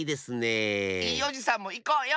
いいおじさんもいこうよ！